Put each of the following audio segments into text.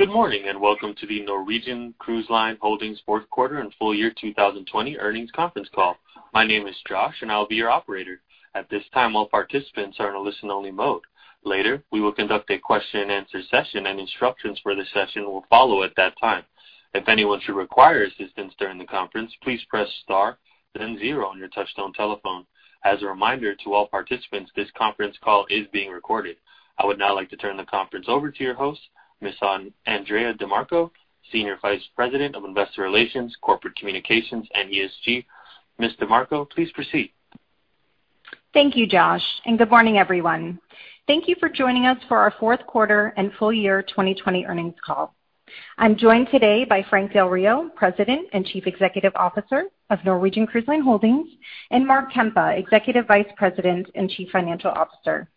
Good morning, and welcome to the Norwegian Cruise Line Holdings fourth quarter and full year 2020 earnings conference call. My name is Josh, and I'll be your operator. At this time, all participants are in a listen-only mode. Later, we will conduct a question-and-answer session, and instructions for the session will follow at that time. If anyone should require assistance during the conference, please press star then zero on your touchtone telephone. As a reminder to all participants, this conference call is being recorded. I would now like to turn the conference over to your host, Ms. Andrea DeMarco, Senior Vice President of Investor Relations, Corporate Communications, and ESG. Ms. DeMarco, please proceed. Thank you, Josh, good morning, everyone. Thank you for joining us for our fourth quarter and full year 2020 earnings call. I'm joined today by Frank Del Rio, President and Chief Executive Officer of Norwegian Cruise Line Holdings, and Mark Kempa, Executive Vice President and Chief Financial Officer.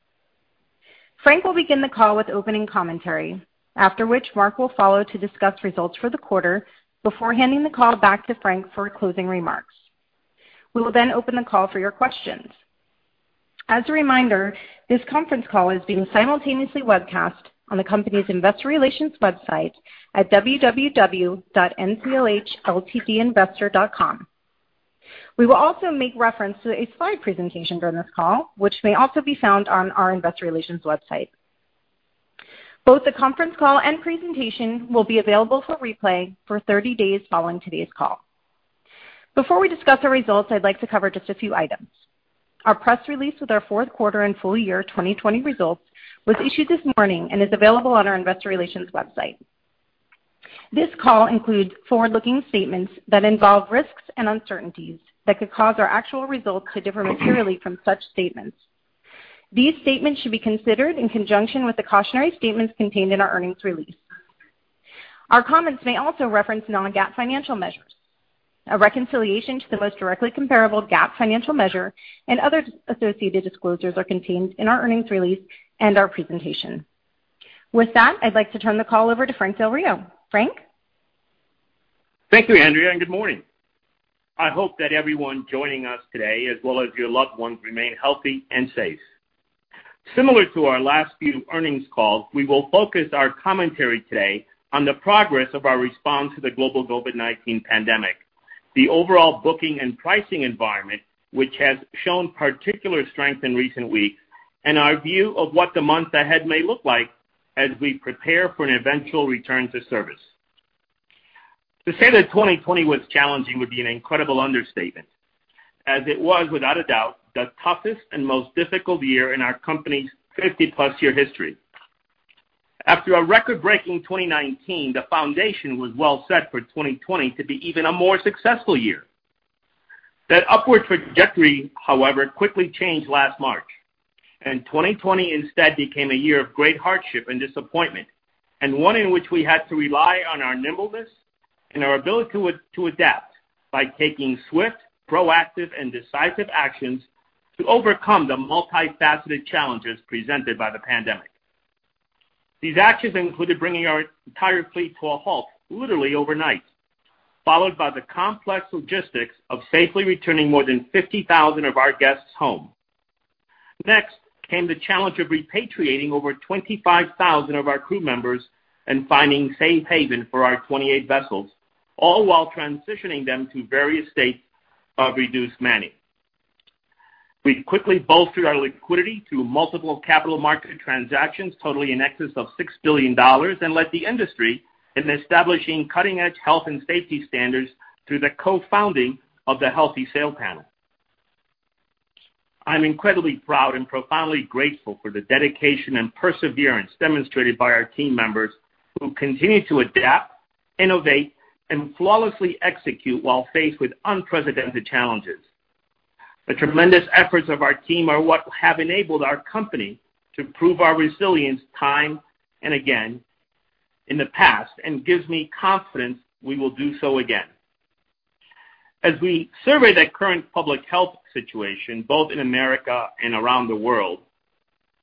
Frank will begin the call with opening commentary, after which Mark will follow to discuss results for the quarter before handing the call back to Frank for closing remarks. We will open the call for your questions. As a reminder, this conference call is being simultaneously webcast on the company's investor relations website at www.nclhltd.com/investors. We will also make reference to a slide presentation during this call, which may also be found on our investor relations website. Both the conference call and presentation will be available for replay for 30 days following today's call. Before we discuss our results, I'd like to cover just a few items. Our press release with our fourth quarter and full year 2020 results was issued this morning and is available on our investor relations website. This call includes forward-looking statements that involve risks and uncertainties that could cause our actual results to differ materially from such statements. These statements should be considered in conjunction with the cautionary statements contained in our earnings release. Our comments may also reference non-GAAP financial measures. A reconciliation to the most directly comparable GAAP financial measure and other associated disclosures are contained in our earnings release and our presentation. With that, I'd like to turn the call over to Frank Del Rio. Frank? Thank you, Andrea, and good morning. I hope that everyone joining us today, as well as your loved ones, remain healthy and safe. Similar to our last few earnings calls, we will focus our commentary today on the progress of our response to the global COVID-19 pandemic, the overall booking and pricing environment, which has shown particular strength in recent weeks, and our view of what the months ahead may look like as we prepare for an eventual return to service. To say that 2020 was challenging would be an incredible understatement, as it was, without a doubt, the toughest and most difficult year in our company's 50-plus year history. After a record-breaking 2019, the foundation was well set for 2020 to be even a more successful year. That upward trajectory, however, quickly changed last March, and 2020 instead became a year of great hardship and disappointment, and one in which we had to rely on our nimbleness and our ability to adapt by taking swift, proactive, and decisive actions to overcome the multifaceted challenges presented by the pandemic. These actions included bringing our entire fleet to a halt, literally overnight, followed by the complex logistics of safely returning more than 50,000 of our guests home. Next came the challenge of repatriating over 25,000 of our crew members and finding safe haven for our 28 vessels, all while transitioning them to various states of reduced manning. We quickly bolstered our liquidity through multiple capital market transactions totaling in excess of $6 billion and led the industry in establishing cutting-edge health and safety standards through the co-founding of the Healthy Sail Panel. I'm incredibly proud and profoundly grateful for the dedication and perseverance demonstrated by our team members who continue to adapt, innovate, and flawlessly execute while faced with unprecedented challenges. The tremendous efforts of our team are what have enabled our company to prove our resilience time and again in the past and gives me confidence we will do so again. As we survey the current public health situation, both in America and around the world,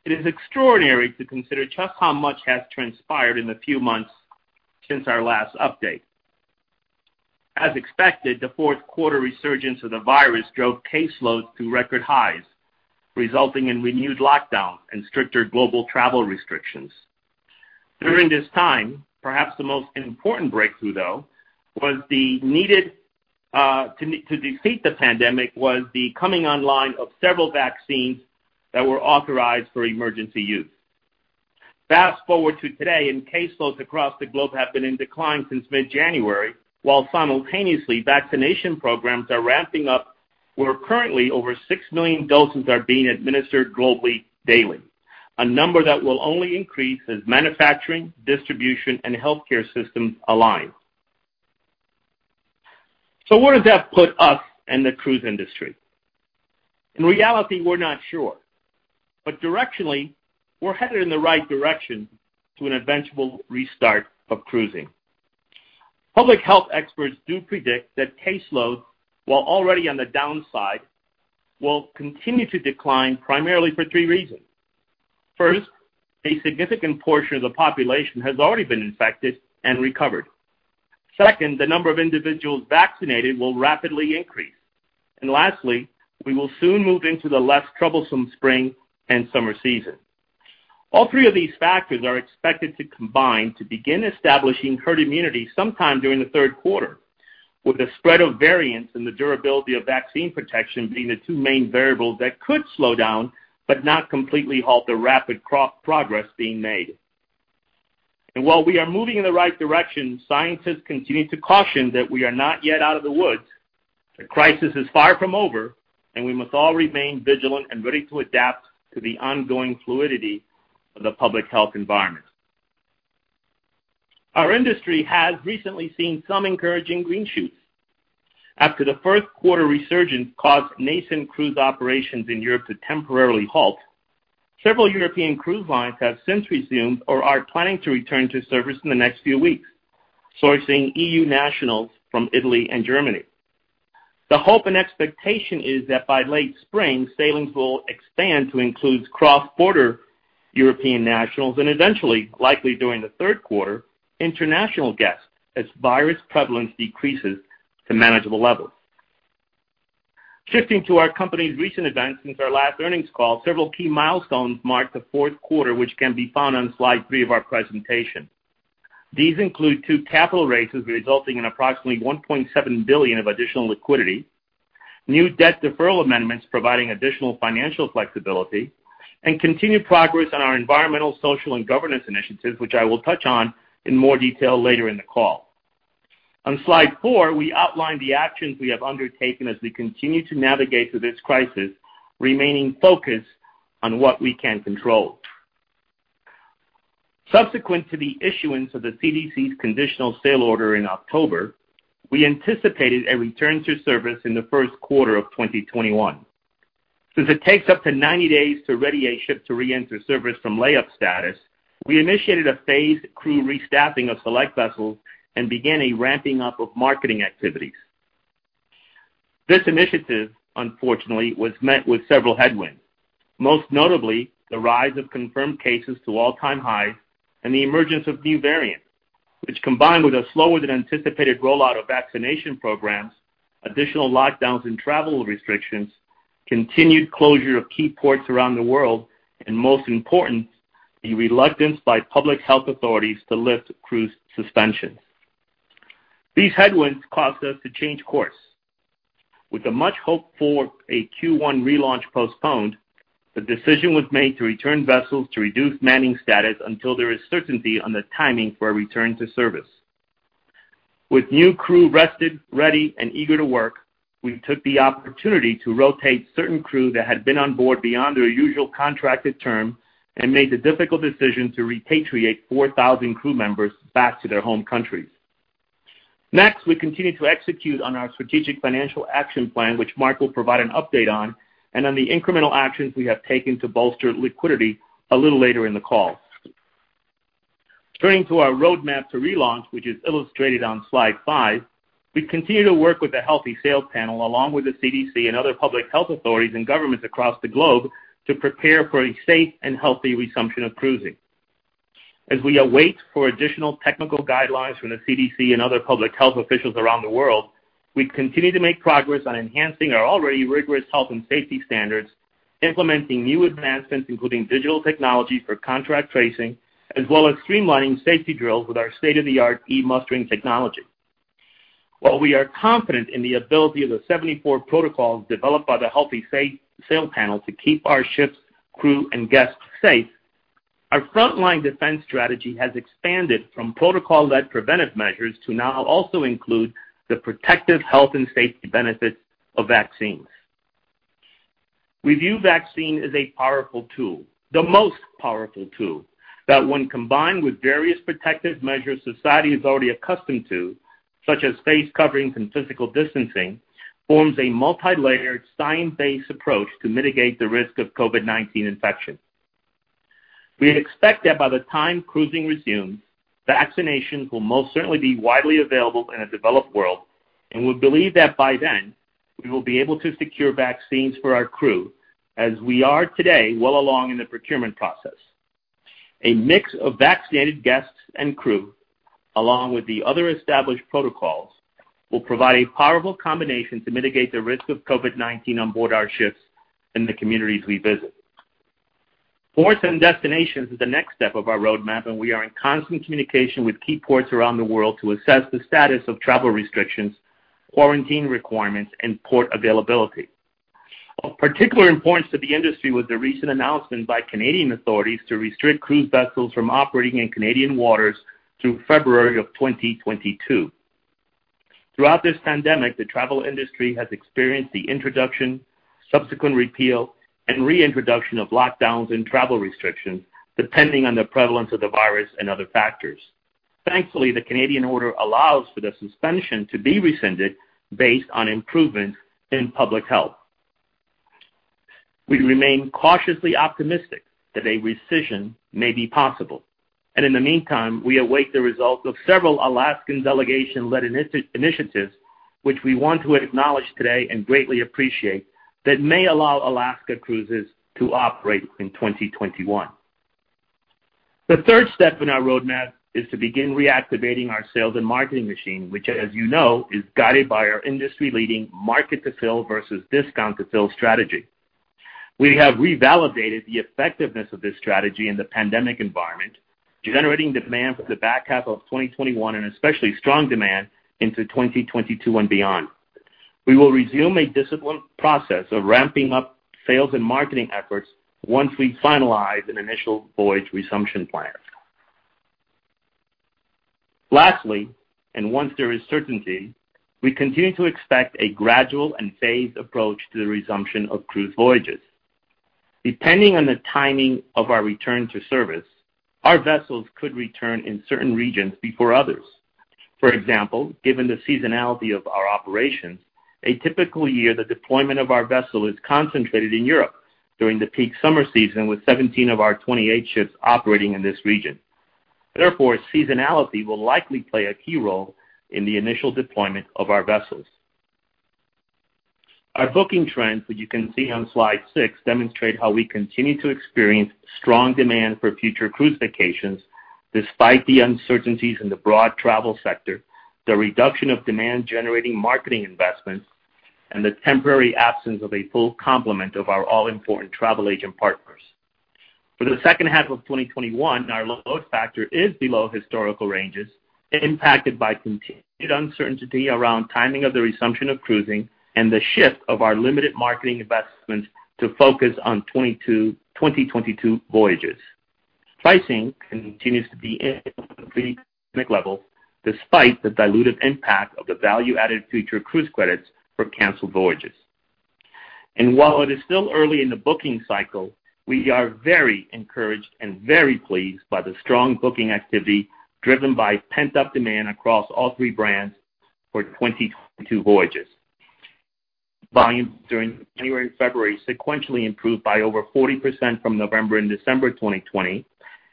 it is extraordinary to consider just how much has transpired in the few months since our last update. As expected, the fourth quarter resurgence of the virus drove caseloads to record highs, resulting in renewed lockdowns and stricter global travel restrictions. During this time, perhaps the most important breakthrough, though, to defeat the pandemic, was the coming online of several vaccines that were authorized for emergency use. Fast-forward to today, caseloads across the globe have been in decline since mid-January, while simultaneously, vaccination programs are ramping up, where currently over 6 million doses are being administered globally daily. A number that will only increase as manufacturing, distribution, and healthcare systems align. What does that put us and the cruise industry? In reality, we're not sure, directionally, we're headed in the right direction to an eventual restart of cruising. Public health experts do predict that caseloads, while already on the downside, will continue to decline primarily for three reasons. First, a significant portion of the population has already been infected and recovered. Second, the number of individuals vaccinated will rapidly increase. Lastly, we will soon move into the less troublesome spring and summer season. All three of these factors are expected to combine to begin establishing herd immunity sometime during the third quarter, with the spread of variants and the durability of vaccine protection being the two main variables that could slow down, but not completely halt the rapid progress being made. While we are moving in the right direction, scientists continue to caution that we are not yet out of the woods. The crisis is far from over, and we must all remain vigilant and ready to adapt to the ongoing fluidity of the public health environment. Our industry has recently seen some encouraging green shoots. After the first quarter resurgence caused nascent cruise operations in Europe to temporarily halt, several European cruise lines have since resumed or are planning to return to service in the next few weeks, sourcing EU nationals from Italy and Germany. The hope and expectation is that by late spring, sailings will expand to include cross-border European nationals and eventually, likely during the third quarter, international guests as virus prevalence decreases to manageable levels. Shifting to our company's recent events since our last earnings call, several key milestones marked the fourth quarter, which can be found on slide three of our presentation. These include two capital raises resulting in approximately $1.7 billion of additional liquidity, new debt deferral amendments providing additional financial flexibility, and continued progress on our environmental, social, and governance initiatives, which I will touch on in more detail later in the call. On slide four, we outline the actions we have undertaken as we continue to navigate through this crisis, remaining focused on what we can control. Subsequent to the issuance of the CDC's Conditional Sailing Order in October, we anticipated a return to service in the first quarter of 2021. Since it takes up to 90 days to ready a ship to reenter service from lay-up status, we initiated a phased crew re-staffing of select vessels and began a ramping up of marketing activities. This initiative, unfortunately, was met with several headwinds, most notably the rise of confirmed cases to all-time highs and the emergence of new variants, which, combined with a slower-than-anticipated rollout of vaccination programs, additional lockdowns and travel restrictions, continued closure of key ports around the world, and most important, the reluctance by public health authorities to lift cruise suspensions. These headwinds caused us to change course. With the much hoped-for Q1 relaunch postponed, the decision was made to return vessels to reduced manning status until there is certainty on the timing for a return to service. With new crew rested, ready, and eager to work, we took the opportunity to rotate certain crew that had been on board beyond their usual contracted term and made the difficult decision to repatriate 4,000 crew members back to their home countries. Next, we continue to execute on our strategic financial action plan, which Mark will provide an update on, and on the incremental actions we have taken to bolster liquidity a little later in the call. Turning to our roadmap to relaunch, which is illustrated on slide five, we continue to work with the Healthy Sail Panel, along with the CDC and other public health authorities and governments across the globe, to prepare for a safe and healthy resumption of cruising. As we await for additional technical guidelines from the CDC and other public health officials around the world, we continue to make progress on enhancing our already rigorous health and safety standards, implementing new advancements, including digital technology for contact tracing, as well as streamlining safety drills with our state-of-the-art e-mustering technology. While we are confident in the ability of the 74 protocols developed by the Healthy Sail Panel to keep our ships, crew, and guests safe, our frontline defense strategy has expanded from protocol-led preventive measures to now also include the protective health and safety benefits of vaccines. We view vaccine as a powerful tool, the most powerful tool, that when combined with various protective measures society is already accustomed to, such as face coverings and physical distancing, forms a multi-layered, science-based approach to mitigate the risk of COVID-19 infection. We expect that by the time cruising resumes, vaccinations will most certainly be widely available in the developed world, and we believe that by then, we will be able to secure vaccines for our crew, as we are today well along in the procurement process. A mix of vaccinated guests and crew, along with the other established protocols, will provide a powerful combination to mitigate the risk of COVID-19 on board our ships and the communities we visit. Ports and destinations is the next step of our roadmap, and we are in constant communication with key ports around the world to assess the status of travel restrictions, quarantine requirements, and port availability. Of particular importance to the industry was the recent announcement by Canadian authorities to restrict cruise vessels from operating in Canadian waters through February of 2022. Throughout this pandemic, the travel industry has experienced the introduction, subsequent repeal, and reintroduction of lockdowns and travel restrictions, depending on the prevalence of the virus and other factors. Thankfully, the Canadian order allows for the suspension to be rescinded based on improvements in public health. We remain cautiously optimistic that a rescission may be possible. In the meantime, we await the results of several Alaskan delegation-led initiatives, which we want to acknowledge today and greatly appreciate, that may allow Alaska cruises to operate in 2021. The third step in our roadmap is to begin reactivating our sales and marketing machine, which as you know, is guided by our industry-leading market to fill versus discount to fill strategy. We have revalidated the effectiveness of this strategy in the pandemic environment, generating demand for the back half of 2021 and especially strong demand into 2022 and beyond. We will resume a disciplined process of ramping up sales and marketing efforts once we finalize an initial voyage resumption plans. Lastly, once there is certainty, we continue to expect a gradual and phased approach to the resumption of cruise voyages. Depending on the timing of our return to service, our vessels could return in certain regions before others. For example, given the seasonality of our operations, a typical year the deployment of our vessel is concentrated in Europe during the peak summer season, with 17 of our 28 ships operating in this region. Therefore, seasonality will likely play a key role in the initial deployment of our vessels. Our booking trends, as you can see on slide six, demonstrate how we continue to experience strong demand for future cruise vacations despite the uncertainties in the broad travel sector, the reduction of demand generating marketing investments, and the temporary absence of a full complement of our all-important travel agent partners. For the second half of 2021, our load factor is below historical ranges, impacted by continued uncertainty around timing of the resumption of cruising and the shift of our limited marketing investments to focus on 2022 voyages. Pricing continues to be pre-pandemic levels despite the dilutive impact of the value-added Future Cruise Credits for canceled voyages. While it is still early in the booking cycle, we are very encouraged and very pleased by the strong booking activity driven by pent-up demand across all three brands for 2022 voyages. Volume during January and February sequentially improved by over 40% from November and December 2020,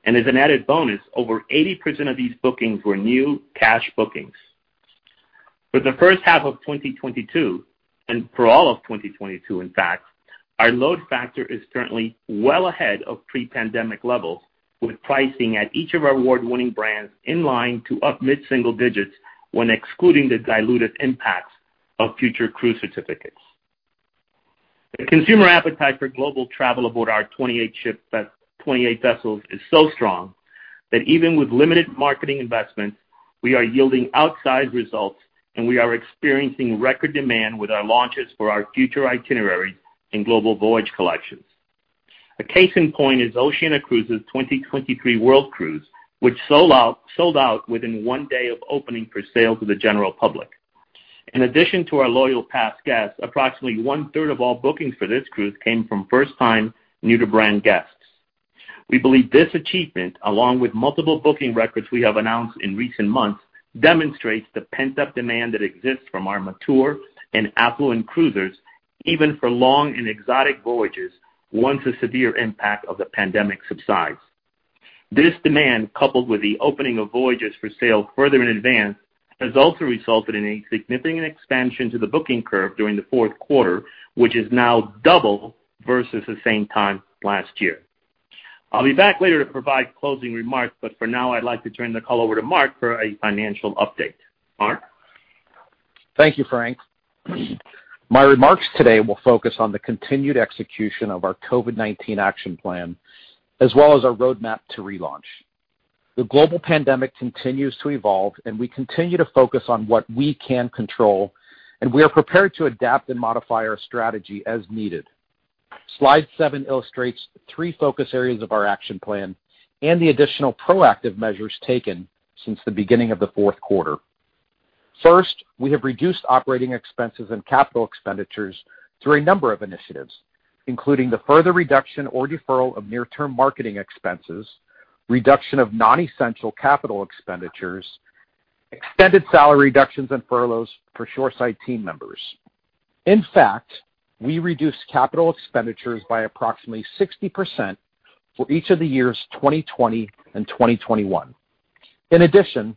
and as an added bonus, over 80% of these bookings were new cash bookings. For the first half of 2022 and for all of 2022, in fact, our load factor is currently well ahead of pre-pandemic levels, with pricing at each of our award-winning brands in line to up mid-single digits when excluding the diluted impacts of Future Cruise Credits. The consumer appetite for global travel aboard our 28 vessels is so strong that even with limited marketing investments, we are yielding outsized results and we are experiencing record demand with our launches for our future itineraries and global voyage collections. A case in point is Oceania Cruises' 2023 World Cruise, which sold out within one day of opening for sale to the general public. In addition to our loyal past guests, approximately one-third of all bookings for this cruise came from first-time new-to-brand guests. We believe this achievement, along with multiple booking records we have announced in recent months, demonstrates the pent-up demand that exists from our mature and affluent cruisers, even for long and exotic voyages once the severe impact of the pandemic subsides. This demand, coupled with the opening of voyages for sale further in advance, has also resulted in a significant expansion to the booking curve during the fourth quarter, which is now double versus the same time last year. I'll be back later to provide closing remarks, but for now, I'd like to turn the call over to Mark for a financial update. Mark? Thank you, Frank. My remarks today will focus on the continued execution of our COVID-19 action plan, as well as our roadmap to relaunch. The global pandemic continues to evolve, and we continue to focus on what we can control, and we are prepared to adapt and modify our strategy as needed. Slide seven illustrates three focus areas of our action plan and the additional proactive measures taken since the beginning of the fourth quarter. First, we have reduced operating expenses and capital expenditures through a number of initiatives, including the further reduction or deferral of near-term marketing expenses, reduction of non-essential capital expenditures, extended salary reductions and furloughs for shoreside team members. In fact, we reduced capital expenditures by approximately 60% for each of the years 2020 and 2021. In addition,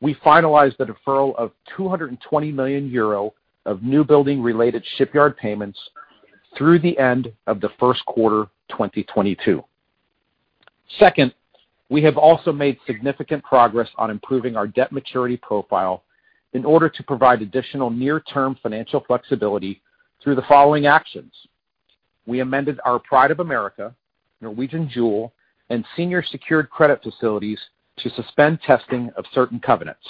we finalized the deferral of 220 million euro of new building-related shipyard payments through the end of the first quarter 2022. We have also made significant progress on improving our debt maturity profile in order to provide additional near-term financial flexibility through the following actions. We amended our Pride of America, Norwegian Jewel, and senior secured credit facilities to suspend testing of certain covenants.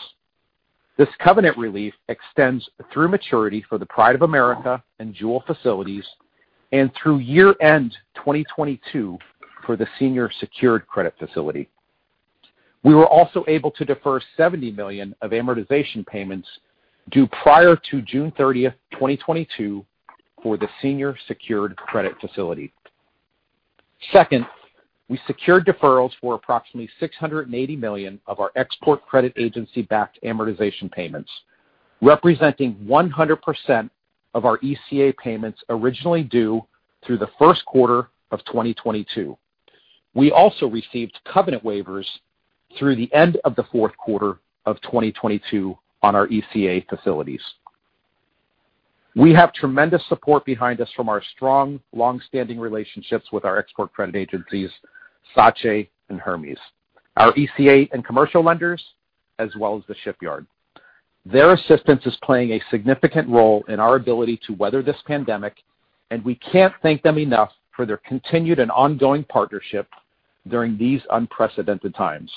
This covenant relief extends through maturity for the Pride of America and Jewel facilities and through year-end 2022 for the senior secured credit facility. We were also able to defer 70 million of amortization payments due prior to June 30, 2022, for the senior secured credit facility. We secured deferrals for approximately 680 million of our Export Credit Agency-backed amortization payments, representing 100% of our ECA payments originally due through the first quarter of 2022. We also received covenant waivers through the end of the fourth quarter of 2022 on our ECA facilities. We have tremendous support behind us from our strong, long-standing relationships with our Export Credit Agencies, SACE and Euler Hermes, our ECA and commercial lenders, as well as the shipyard. Their assistance is playing a significant role in our ability to weather this pandemic, and we can't thank them enough for their continued and ongoing partnership during these unprecedented times.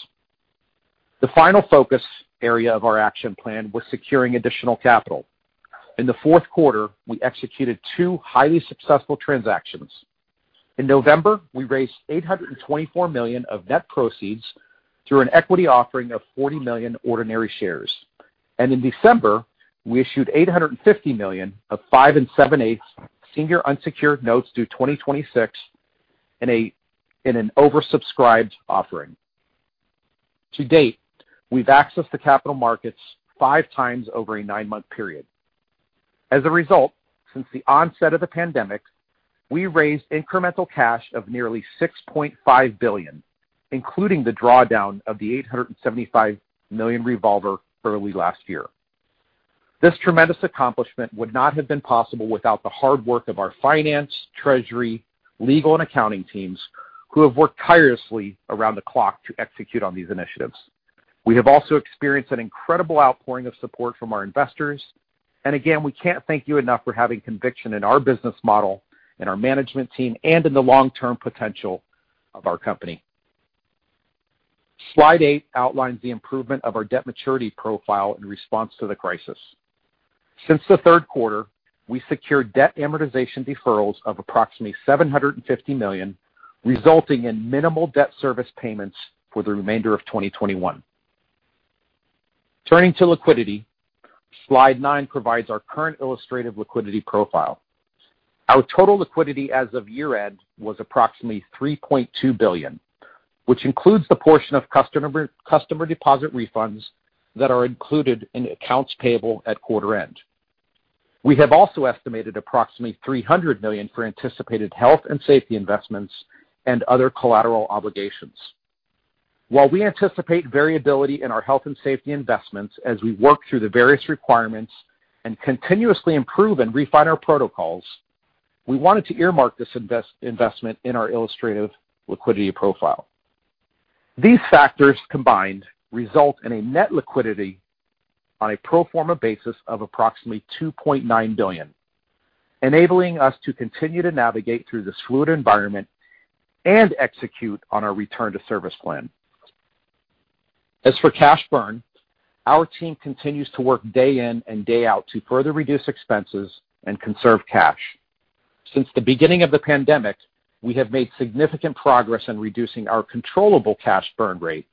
The final focus area of our action plan was securing additional capital. In the fourth quarter, we executed two highly successful transactions. In November, we raised $824 million of net proceeds through an equity offering of 40 million ordinary shares. In December, we issued $850 million of 5 and seven-eighths senior unsecured notes due 2026 in an oversubscribed offering. To date, we've accessed the capital markets five times over a nine-month period. As a result, since the onset of the pandemic, we raised incremental cash of nearly $6.5 billion, including the drawdown of the $875 million revolver early last year. This tremendous accomplishment would not have been possible without the hard work of our finance, treasury, legal, and accounting teams, who have worked tirelessly around the clock to execute on these initiatives. Again, we can't thank you enough for having conviction in our business model and our management team and in the long-term potential of our company. Slide eight outlines the improvement of our debt maturity profile in response to the crisis. Since the third quarter, we secured debt amortization deferrals of approximately $750 million, resulting in minimal debt service payments for the remainder of 2021. Turning to liquidity, slide nine provides our current illustrative liquidity profile. Our total liquidity as of year-end was approximately $3.2 billion, which includes the portion of customer deposit refunds that are included in accounts payable at quarter end. We have also estimated approximately $300 million for anticipated health and safety investments and other collateral obligations. While we anticipate variability in our health and safety investments as we work through the various requirements and continuously improve and refine our protocols, we wanted to earmark this investment in our illustrative liquidity profile. These factors combined result in a net liquidity on a pro forma basis of approximately $2.9 billion, enabling us to continue to navigate through this fluid environment and execute on our return to service plan. As for cash burn, our team continues to work day in and day out to further reduce expenses and conserve cash. Since the beginning of the pandemic, we have made significant progress in reducing our controllable cash burn rate,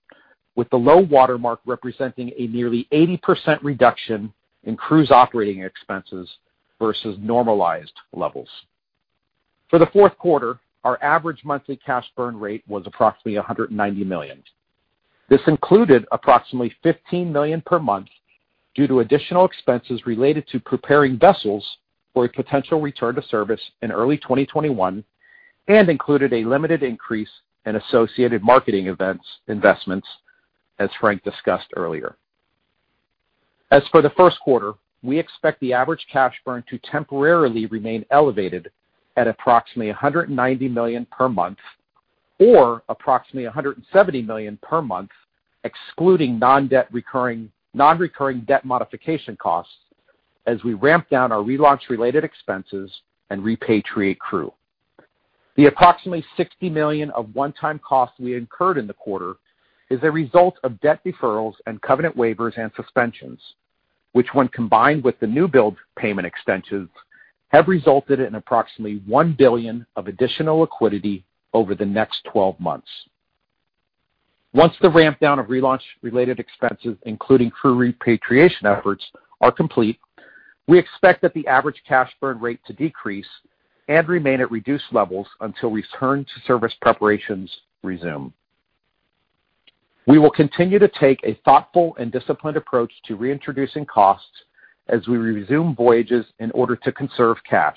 with the low water mark representing a nearly 80% reduction in cruise operating expenses versus normalized levels. For the fourth quarter, our average monthly cash burn rate was approximately $190 million. This included approximately $15 million per month due to additional expenses related to preparing vessels for a potential return to service in early 2021 and included a limited increase in associated marketing events investments, as Frank discussed earlier. As for the first quarter, we expect the average cash burn to temporarily remain elevated at approximately $190 million per month or approximately $170 million per month, excluding non-recurring debt modification costs as we ramp down our relaunch-related expenses and repatriate crew. The approximately $60 million of one-time costs we incurred in the quarter is a result of debt deferrals and covenant waivers and suspensions, which when combined with the new build payment extensions, have resulted in approximately $1 billion of additional liquidity over the next 12 months. Once the ramp down of relaunch-related expenses, including crew repatriation efforts, are complete, we expect that the average cash burn rate to decrease and remain at reduced levels until return to service preparations resume. We will continue to take a thoughtful and disciplined approach to reintroducing costs as we resume voyages in order to conserve cash,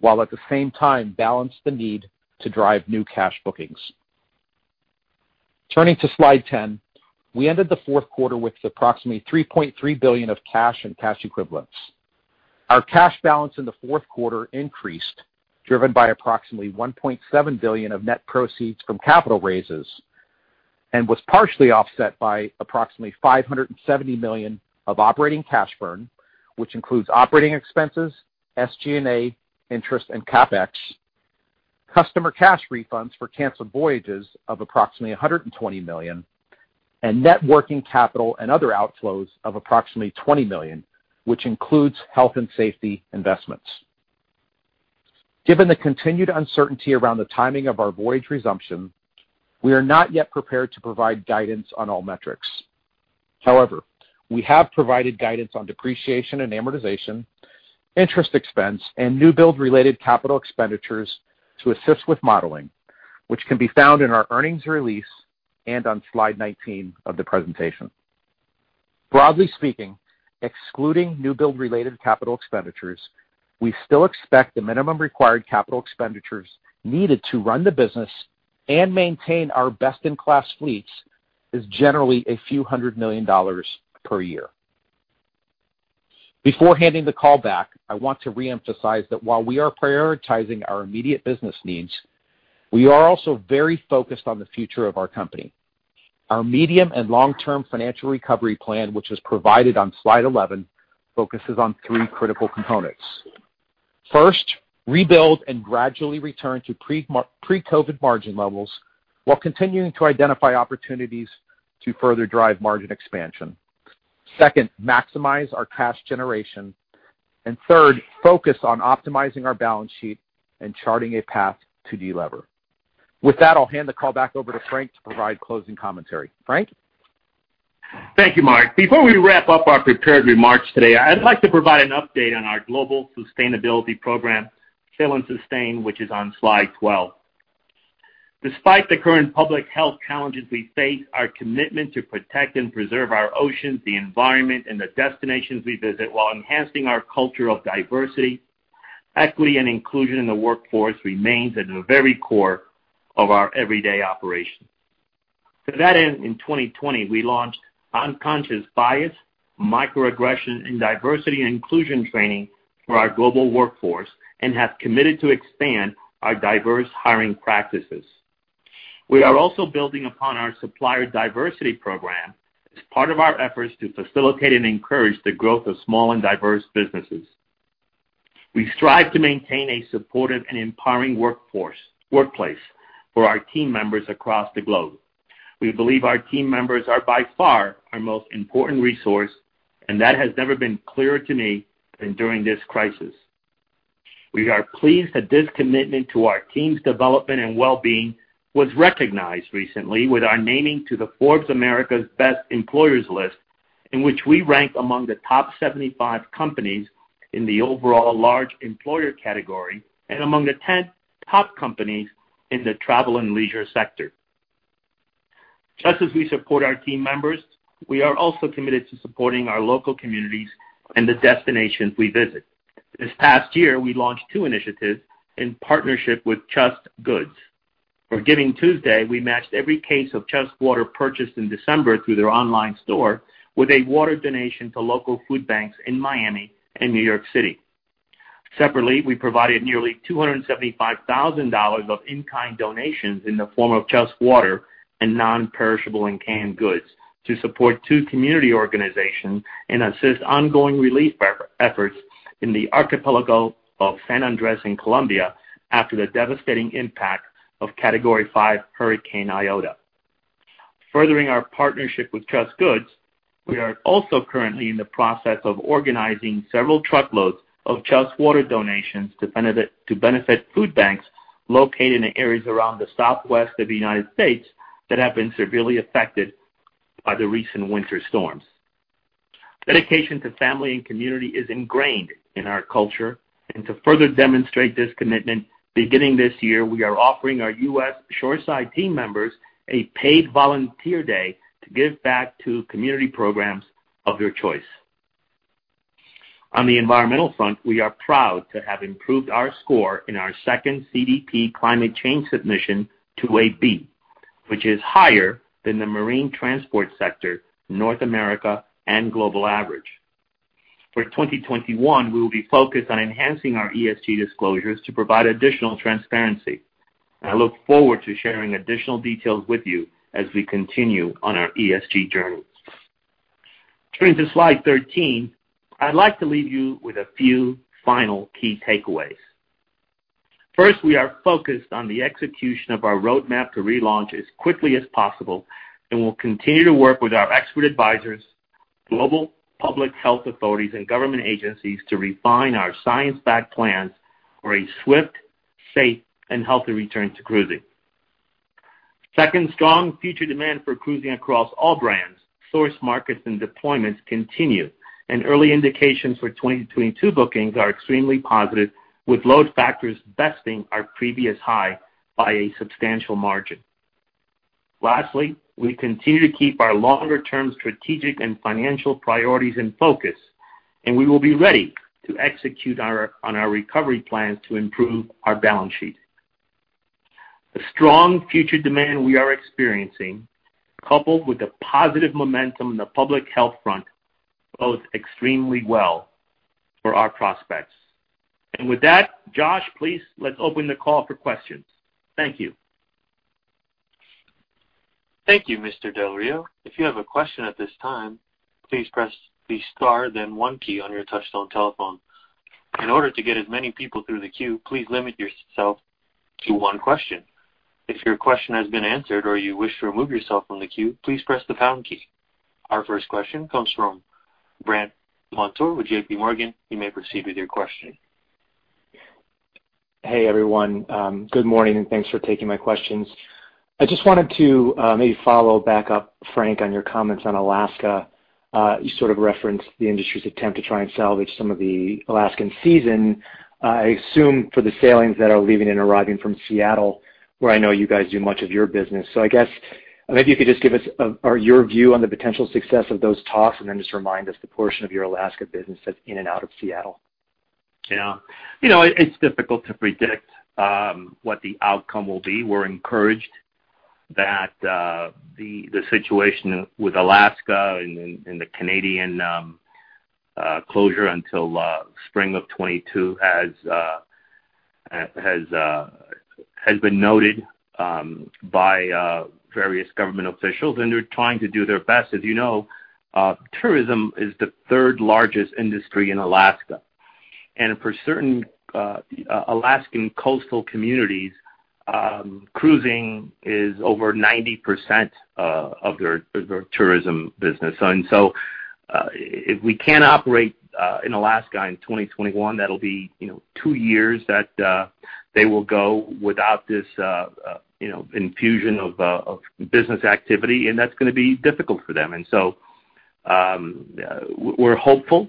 while at the same time balance the need to drive new cash bookings. Turning to slide 10. We ended the fourth quarter with approximately $3.3 billion of cash and cash equivalents. Our cash balance in the fourth quarter increased, driven by approximately $1.7 billion of net proceeds from capital raises and was partially offset by approximately $570 million of operating cash burn, which includes operating expenses, SG&A, interest, and CapEx, customer cash refunds for canceled voyages of approximately $120 million, and net working capital and other outflows of approximately $20 million, which includes health and safety investments. Given the continued uncertainty around the timing of our voyage resumption, we are not yet prepared to provide guidance on all metrics. We have provided guidance on depreciation and amortization, interest expense, and new build-related capital expenditures to assist with modeling, which can be found in our earnings release and on slide nineteen of the presentation. Broadly speaking, excluding new build-related capital expenditures, we still expect the minimum required capital expenditures needed to run the business and maintain our best-in-class fleets is generally a few hundred million dollars per year. Before handing the call back, I want to reemphasize that while we are prioritizing our immediate business needs, we are also very focused on the future of our company. Our medium and long-term financial recovery plan, which is provided on slide 11, focuses on three critical components. First, rebuild and gradually return to pre-COVID margin levels while continuing to identify opportunities to further drive margin expansion. Second, maximize our cash generation. Third, focus on optimizing our balance sheet and charting a path to de-lever. With that, I'll hand the call back over to Frank to provide closing commentary. Frank? Thank you, Mark. Before we wrap up our prepared remarks today, I'd like to provide an update on our global sustainability program, Sail & Sustain, which is on slide 12. Despite the current public health challenges we face, our commitment to protect and preserve our oceans, the environment, and the destinations we visit while enhancing our culture of diversity, equity, and inclusion in the workforce remains at the very core of our everyday operations. To that end, in 2020, we launched unconscious bias, microaggression, and diversity and inclusion training for our global workforce and have committed to expand our diverse hiring practices. We are also building upon our supplier diversity program as part of our efforts to facilitate and encourage the growth of small and diverse businesses. We strive to maintain a supportive and empowering workplace for our team members across the globe. We believe our team members are by far our most important resource, and that has never been clearer to me than during this crisis. We are pleased that this commitment to our team's development and well-being was recognized recently with our naming to the Forbes America's Best Employers list, in which we rank among the top 75 companies in the overall large employer category and among the 10 top companies in the travel and leisure sector. Just as we support our team members, we are also committed to supporting our local communities and the destinations we visit. This past year, we launched two initiatives in partnership with JUST Goods. For Giving Tuesday, we matched every case of JUST Water purchased in December through their online store with a water donation to local food banks in Miami and New York City. Separately, we provided nearly $275,000 of in-kind donations in the form of JUST Water and non-perishable and canned goods to support two community organizations and assist ongoing relief efforts in the archipelago of San Andrés in Colombia after the devastating impact of Category 5 Hurricane Iota. Furthering our partnership with JUST Goods, we are also currently in the process of organizing several truckloads of JUST Water donations to benefit food banks located in the areas around the Southwest of the United States that have been severely affected by the recent winter storms. Dedication to family and community is ingrained in our culture, and to further demonstrate this commitment, beginning this year, we are offering our U.S. shoreside team members a paid volunteer day to give back to community programs of their choice. On the environmental front, we are proud to have improved our score in our second CDP climate change submission to a B, which is higher than the marine transport sector, North America, and global average. For 2021, we will be focused on enhancing our ESG disclosures to provide additional transparency, and I look forward to sharing additional details with you as we continue on our ESG journey. Turning to slide 13, I'd like to leave you with a few final key takeaways. First, we are focused on the execution of our roadmap to relaunch as quickly as possible and will continue to work with our expert advisors, global public health authorities, and government agencies to refine our science-backed plans for a swift, safe, and healthy return to cruising. Second, strong future demand for cruising across all brands, source markets, and deployments continue, and early indications for 2022 bookings are extremely positive, with load factors besting our previous high by a substantial margin. Lastly, we continue to keep our longer-term strategic and financial priorities in focus, and we will be ready to execute on our recovery plans to improve our balance sheet. The strong future demand we are experiencing, coupled with the positive momentum on the public health front, bodes extremely well for our prospects. With that, Josh, please, let's open the call for questions. Thank you. Thank you, Mr. Del Rio. Our first question comes from Brandt Montour with JPMorgan. You may proceed with your question. Hey, everyone. Good morning. Thanks for taking my questions. I just wanted to maybe follow back up, Frank, on your comments on Alaska. You sort of referenced the industry's attempt to try and salvage some of the Alaskan season. I assume for the sailings that are leaving and arriving from Seattle, where I know you guys do much of your business. I guess maybe you could just give us your view on the potential success of those talks, and then just remind us the portion of your Alaska business that's in and out of Seattle. Yeah. It's difficult to predict what the outcome will be. We're encouraged that the situation with Alaska and the Canadian closure until spring of 2022 has been noted by various government officials, and they're trying to do their best. As you know, tourism is the third-largest industry in Alaska. For certain Alaskan coastal communities, cruising is over 90% of their tourism business. If we can't operate in Alaska in 2021, that'll be 2 years that they will go without this infusion of business activity, and that's going to be difficult for them. We're hopeful,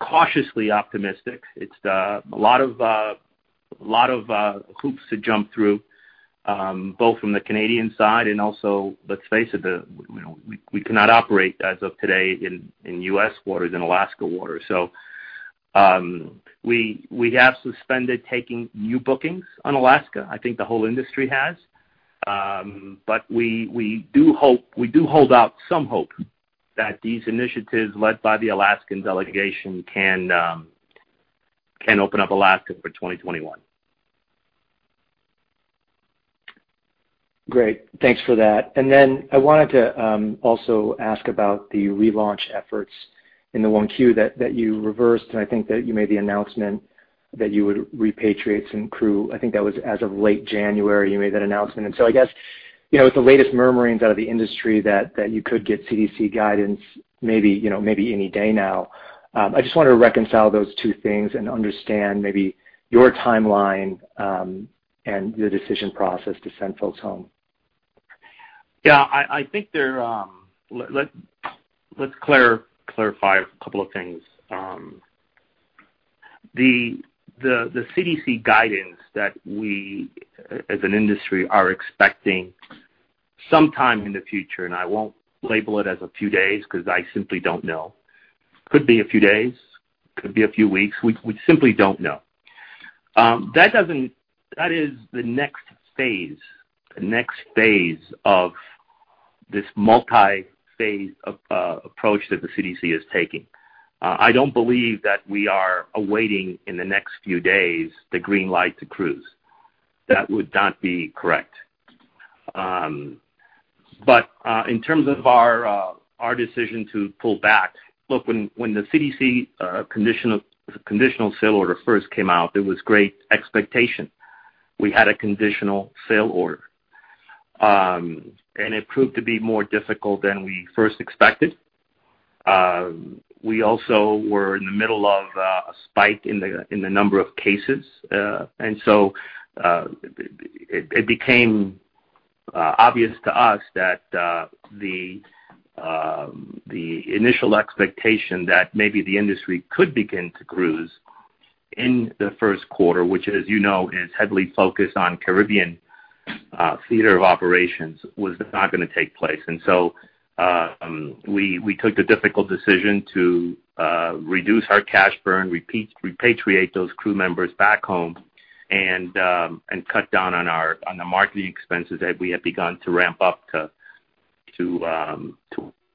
cautiously optimistic. It's a lot of hoops to jump through, both from the Canadian side and also, let's face it, we cannot operate as of today in U.S. waters, in Alaska water. We have suspended taking new bookings on Alaska, I think the whole industry has, but we do hold out some hope that these initiatives led by the Alaskan delegation can open up Alaska for 2021. Great. Thanks for that. I wanted to also ask about the relaunch efforts in the 1Q that you reversed, and I think that you made the announcement that you would repatriate some crew. I think that was as of late January you made that announcement. I guess, with the latest murmurings out of the industry that you could get CDC guidance maybe any day now, I just wanted to reconcile those two things and understand maybe your timeline and your decision process to send folks home. Yeah. Let's clarify a couple of things. The CDC guidance that we as an industry are expecting sometime in the future, I won't label it as a few days because I simply don't know. Could be a few days, could be a few weeks. We simply don't know. That is the next phase of this multi-phase approach that the CDC is taking. I don't believe that we are awaiting in the next few days the green light to cruise. That would not be correct. In terms of our decision to pull back, look, when the CDC Conditional Sailing Order first came out, there was great expectation. We had a Conditional Sailing Order, it proved to be more difficult than we first expected. We also were in the middle of a spike in the number of cases. It became obvious to us that the initial expectation that maybe the industry could begin to cruise in the first quarter, which, as you know, is heavily focused on Caribbean theater of operations, was not going to take place. We took the difficult decision to reduce our cash burn, repatriate those crew members back home, and cut down on the marketing expenses that we had begun to ramp up to go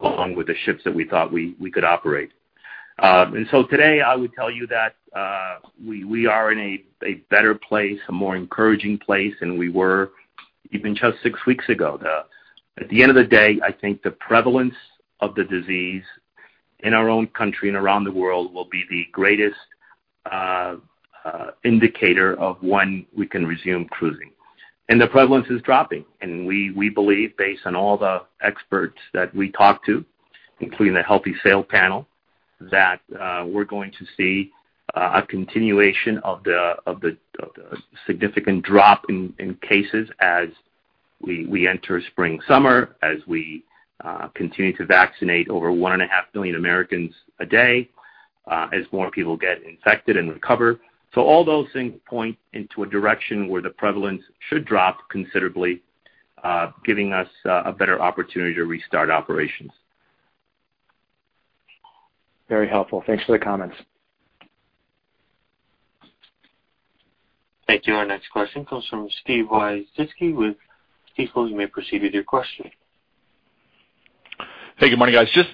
along with the ships that we thought we could operate. Today, I would tell you that we are in a better place, a more encouraging place than we were even just six weeks ago. At the end of the day, I think the prevalence of the disease in our own country and around the world will be the greatest indicator of when we can resume cruising. The prevalence is dropping. We believe, based on all the experts that we talk to, including the Healthy Sail Panel, that we're going to see a continuation of the significant drop in cases as we enter spring, summer, as we continue to vaccinate over 1.5 million Americans a day, as more people get infected and recover. All those things point into a direction where the prevalence should drop considerably, giving us a better opportunity to restart operations. Very helpful. Thanks for the comments. Thank you. Our next question comes from Steven Wieczynski with Stifel. You may proceed with your question. Hey, good morning, guys. Just,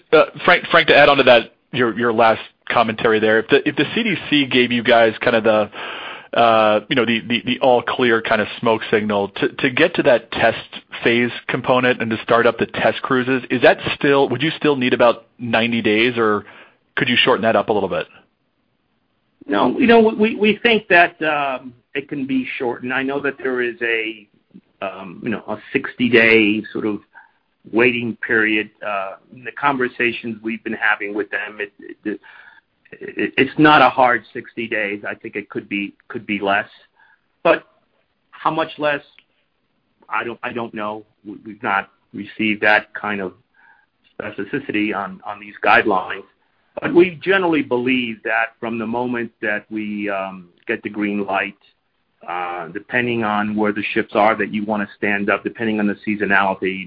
Frank, to add on to your last commentary there, if the CDC gave you guys the all clear smoke signal to get to that test phase component and to start up the test cruises, would you still need about 90 days, or could you shorten that up a little bit? No. We think that it can be shortened. I know that there is a 60-day sort of waiting period. In the conversations we've been having with them, it's not a hard 60 days. I think it could be less. How much less? I don't know. We've not received that kind of specificity on these guidelines. We generally believe that from the moment that we get the green light, depending on where the ships are that you want to stand up, depending on the seasonality,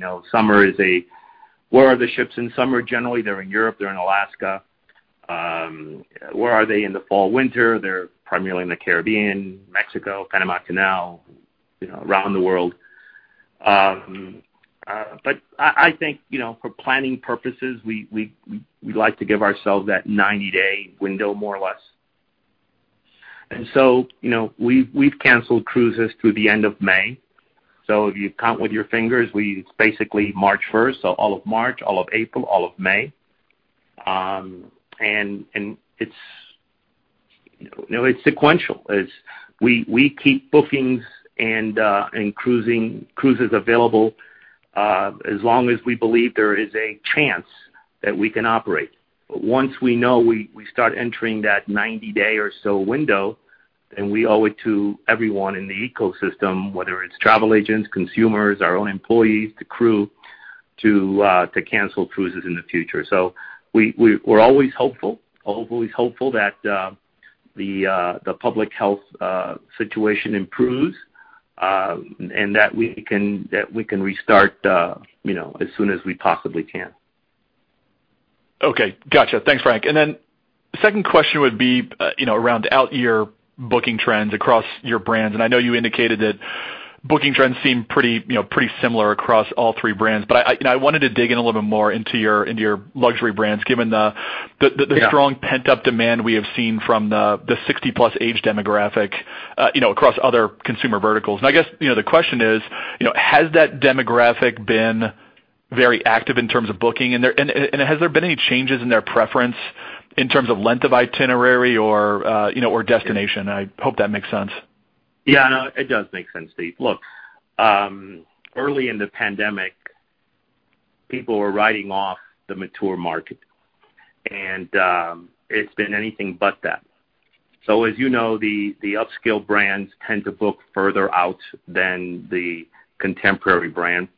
Where are the ships in summer? Generally, they're in Europe, they're in Alaska. Where are they in the fall/winter? They're primarily in the Caribbean, Mexico, Panama Canal, around the world. I think for planning purposes, we like to give ourselves that 90-day window, more or less and so we've canceled cruises through the end of May. If you count with your fingers, it's basically March 1st, all of March, all of April, all of May. It's sequential. We keep bookings and cruises available as long as we believe there is a chance that we can operate. Once we know we start entering that 90-day or so window, then we owe it to everyone in the ecosystem, whether it's travel agents, consumers, our own employees, the crew, to cancel cruises in the future. We're always hopeful that the public health situation improves and that we can restart as soon as we possibly can. Okay. Got you. Thanks, Frank. The second question would be around out-year booking trends across your brands. I know you indicated that booking trends seem pretty similar across all three brands, but I wanted to dig in a little bit more into your luxury brands. Yeah the strong pent-up demand we have seen from the 60-plus age demographic across other consumer verticals. I guess the question is: Has that demographic been very active in terms of booking, and has there been any changes in their preference in terms of length of itinerary or destination? I hope that makes sense. Yeah, it does make sense, Steven. Look, early in the pandemic, people were writing off the mature market, and it's been anything but that. As you know, the upscale brands tend to book further out than the contemporary brand,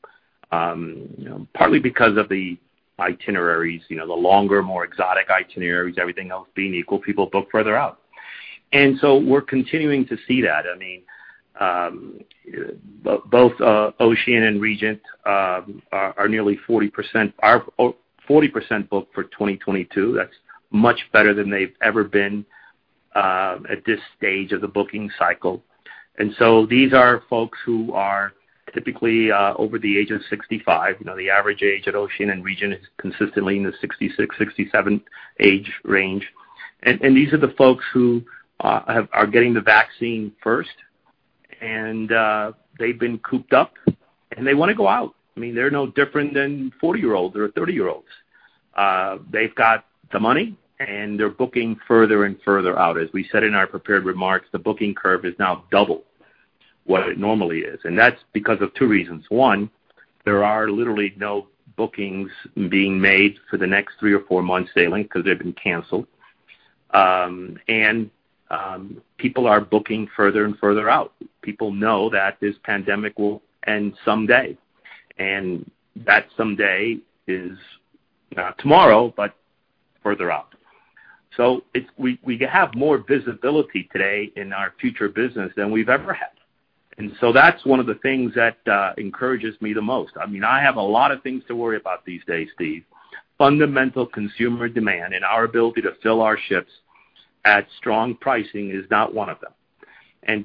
partly because of the itineraries. The longer, more exotic itineraries, everything else being equal, people book further out. We're continuing to see that. Both Oceania and Regent are nearly 40% booked for 2022. That's much better than they've ever been at this stage of the booking cycle. These are folks who are typically over the age of 65. The average age at Oceania and Regent is consistently in the 66, 67 age range. These are the folks who are getting the vaccine first, and they've been cooped up, and they want to go out. They're no different than 40-year-olds or 30-year-olds. They've got the money, and they're booking further and further out. As we said in our prepared remarks, the booking curve is now double what it normally is, and that's because of two reasons. One, there are literally no bookings being made for the next three or four months sailing because they've been canceled, and people are booking further and further out. People know that this pandemic will end someday, and that someday is not tomorrow, but further out. We have more visibility today in our future business than we've ever had. That's one of the things that encourages me the most. I have a lot of things to worry about these days, Steve. Fundamental consumer demand and our ability to fill our ships at strong pricing is not one of them.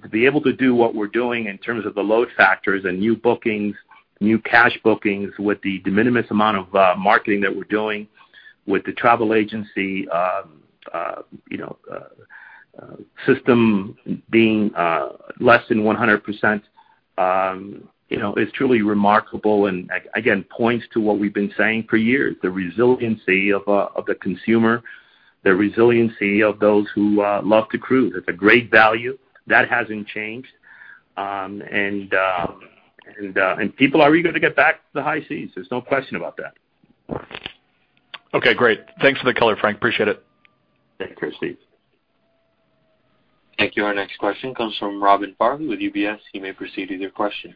To be able to do what we're doing in terms of the load factors and new bookings, new cash bookings with the de minimus amount of marketing that we're doing with the travel agency system being less than 100%, is truly remarkable and again, points to what we've been saying for years, the resiliency of the consumer, the resiliency of those who love to cruise. It's a great value. That hasn't changed. People are eager to get back to the high seas. There's no question about that. Okay, great. Thanks for the clarify, Frank. Appreciate it. Take care, Steve. Thank you. Our next question comes from Robin Farley with UBS. You may proceed with your question.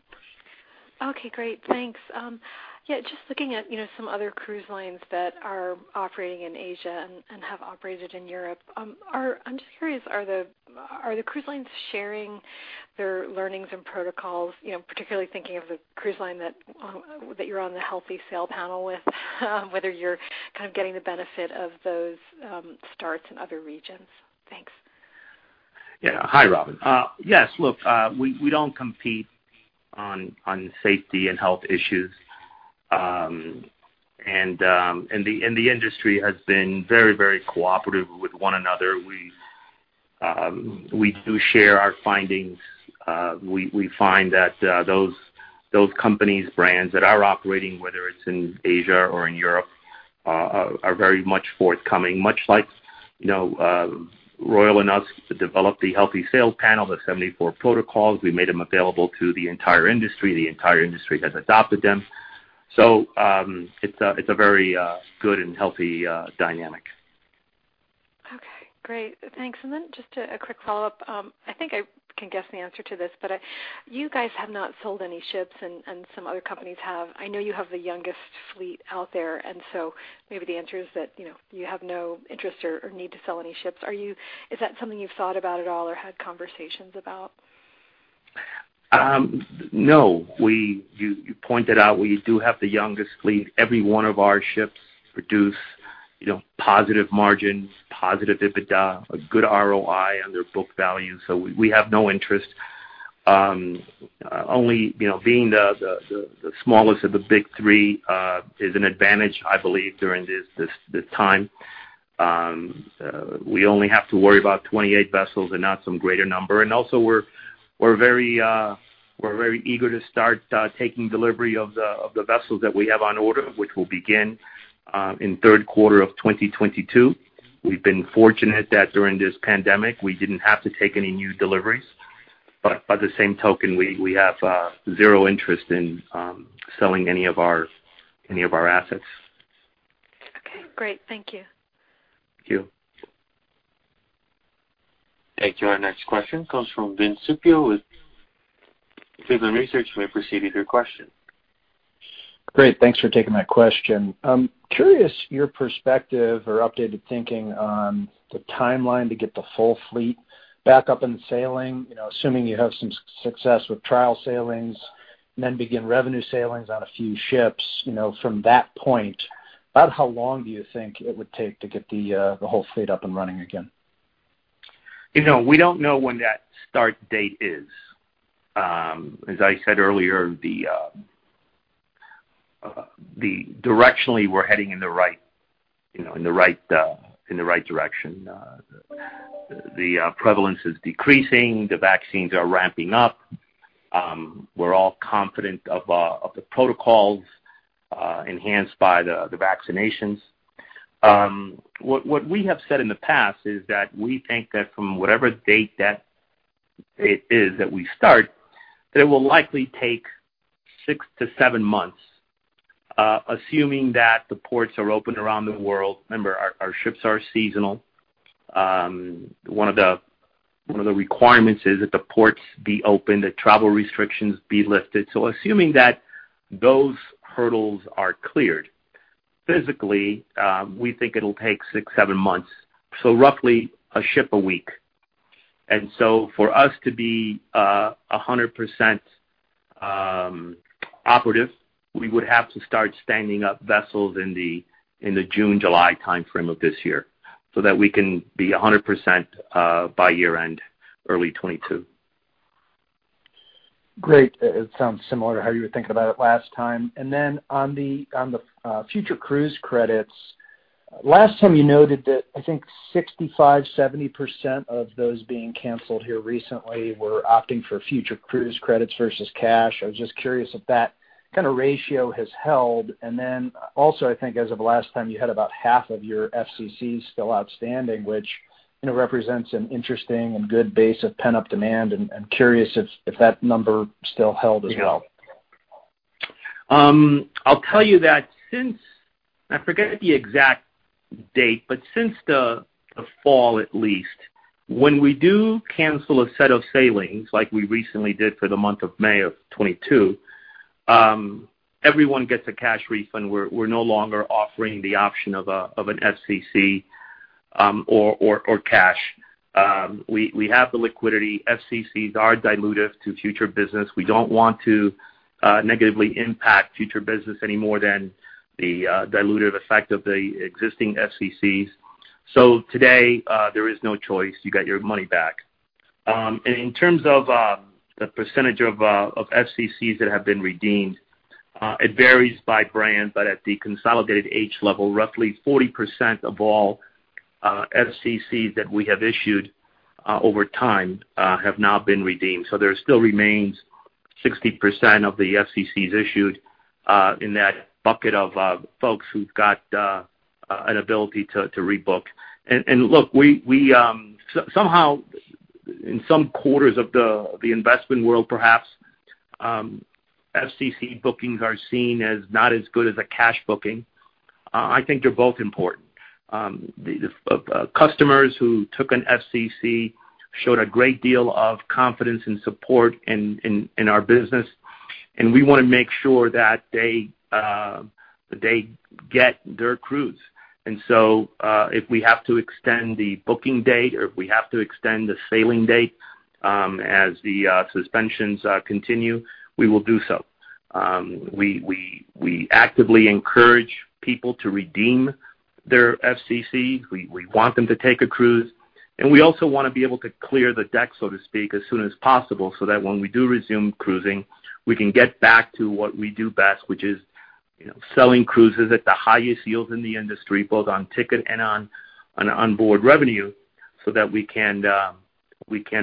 Okay, great. Thanks. Yeah, just looking at some other cruise lines that are operating in Asia and have operated in Europe. I'm just curious, are the cruise lines sharing their learnings and protocols, particularly thinking of the cruise line that you're on the Healthy Sail Panel with, whether you're kind of getting the benefit of those starts in other regions? Thanks. Yeah. Hi, Robin. Yes, look, we don't compete on safety and health issues. The industry has been very cooperative with one another. We do share our findings. We find that those companies, brands that are operating, whether it's in Asia or in Europe, are very much forthcoming, much like Royal and us developed the Healthy Sail Panel, the 74 protocols. We made them available to the entire industry. The entire industry has adopted them. It's a very good and healthy dynamic. Okay, great. Thanks and then just a quick follow-up. I think I can guess the answer to this, you guys have not sold any ships, and some other companies have. I know you have the youngest fleet out there, maybe the answer is that you have no interest or need to sell any ships. Is that something you've thought about at all or had conversations about? No. You pointed out we do have the youngest fleet. Every one of our ships produce positive margins, positive EBITDA, a good ROI on their book value. We have no interest. Only being the smallest of the big three is an advantage, I believe, during this time. We only have to worry about 28 vessels and not some greater number. Also we're very eager to start taking delivery of the vessels that we have on order, which will begin in third quarter of 2022. We've been fortunate that during this pandemic, we didn't have to take any new deliveries. By the same token, we have zero interest in selling any of our assets. Okay, great. Thank you. Thank you. Thank you. Our next question comes from Vince Zupio with Sidoti Research. We proceed with your question. Great. Thanks for taking my question. I'm curious your perspective or updated thinking on the timeline to get the full fleet back up and sailing. Assuming you have some success with trial sailings and then begin revenue sailings on a few ships, from that point, about how long do you think it would take to get the whole fleet up and running again? We don't know when that start date is. As I said earlier, directionally, we're heading in the right direction. The prevalence is decreasing. The vaccines are ramping up. We're all confident of the protocols enhanced by the vaccinations. What we have said in the past is that we think that from whatever date that it is that we start, that it will likely take six to seven months, assuming that the ports are open around the world. Remember, our ships are seasonal. One of the requirements is that the ports be open, the travel restrictions be lifted. Assuming that those hurdles are cleared, physically, we think it'll take six, seven months. Roughly a ship a week. For us to be 100% operative, we would have to start standing up vessels in the June, July timeframe of this year, so that we can be 100% by year-end, early 2022. Great. It sounds similar to how you were thinking about it last time. On the Future Cruise Credits, last time you noted that I think 65%-70% of those being canceled here recently were opting for Future Cruise Credits versus cash. I was just curious if that ratio has held. Also, I think as of last time, you had about half of your FCCs still outstanding, which represents an interesting and good base of pent-up demand, and I'm curious if that number still held as well. Yeah. I'll tell you that since, I forget the exact date, but since the fall at least, when we do cancel a set of sailings, like we recently did for the month of May of 2022, everyone gets a cash refund. We're no longer offering the option of an FCC or cash. We have the liquidity. FCCs are dilutive to future business. We don't want to negatively impact future business any more than the dilutive effect of the existing FCCs. Today, there is no choice. You get your money back. In terms of the percentage of FCCs that have been redeemed, it varies by brand, but at the consolidated NCLH level, roughly 40% of all FCCs that we have issued over time have now been redeemed. There still remains 60% of the FCCs issued in that bucket of folks who've got an ability to rebook. Look, somehow in some quarters of the investment world perhaps, FCC bookings are seen as not as good as a cash booking. I think they're both important. Customers who took an FCC showed a great deal of confidence and support in our business and we want to make sure that they get their cruise. If we have to extend the booking date, or if we have to extend the sailing date, as the suspensions continue, we will do so. We actively encourage people to redeem their FCC. We want them to take a cruise and we also want to be able to clear the deck, so to speak, as soon as possible, so that when we do resume cruising, we can get back to what we do best, which is selling cruises at the highest yields in the industry, both on ticket and on onboard revenue, so that we can